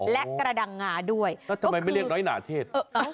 และกระดังงาด้วยทำไมไม่เรียกน้อยหนาเทศ